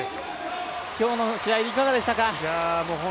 今日の試合、いかがでしたか。